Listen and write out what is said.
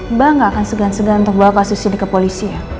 mbak nggak akan segan segan untuk bawa kasus ini ke polisi ya